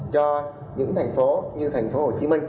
cho những thành phố như tp hcm